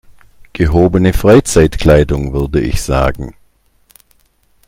Gehobene Freizeitkleidung würde ich sagen.